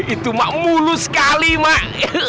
itu mah mulus sekali mah